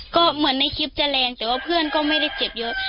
ก็เหมือนในคลิปจะแรงแต่ว่าเพื่อนก็ไม่ได้เจ็บเยอะ